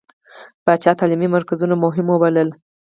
پاچا تعليمي مرکزونه مهم ووبلل.